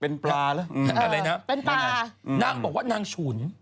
นางบอกว่านางฉุน